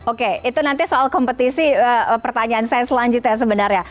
oke itu nanti soal kompetisi pertanyaan saya selanjutnya sebenarnya